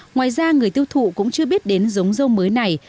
ngoài ra người tiêu thụ cũng chưa biết đến giống dâu mới này